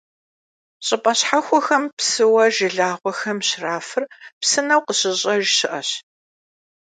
ЩӀыпӀэ щхьэхуэхэм псыуэ жылагъуэхэм щрафыр псынэу къыщьӀщӀэж щыӀэщ.